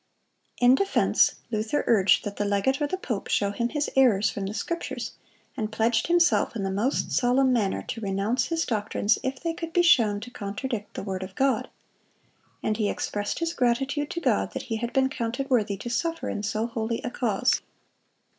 In defense, Luther urged that the legate or the pope show him his errors from the Scriptures, and pledged himself in the most solemn manner to renounce his doctrines if they could be shown to contradict the word of God. And he expressed his gratitude to God that he had been counted worthy to suffer in so holy a cause.